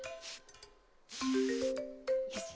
よし。